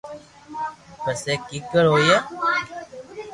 پسي ڪآڪر ھوئي